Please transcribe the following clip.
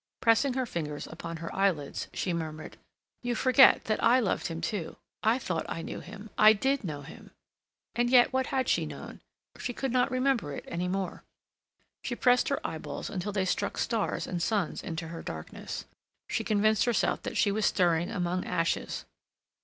Pressing her fingers upon her eyelids, she murmured: "You forget that I loved him too. I thought I knew him. I did know him." And yet, what had she known? She could not remember it any more. She pressed her eyeballs until they struck stars and suns into her darkness. She convinced herself that she was stirring among ashes.